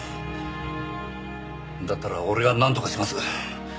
だったら俺がなんとかします。